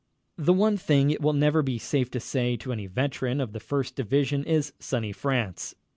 The one thing it will never be safe to say to any veteran of the First Division is "Sunny France."